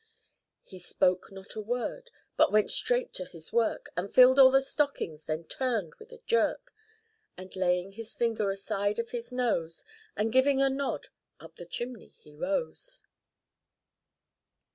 He spoke not a word, but went straight to his work, And filled all the stockings; then turned with a jerk, And laying his finger aside of his nose, And giving a nod, up the chimney he rose.